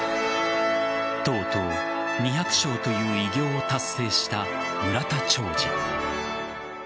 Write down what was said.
とうとう２００勝という偉業を達成した村田兆治。